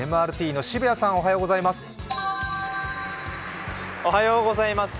ＭＲＴの澁谷さん、おはようございます。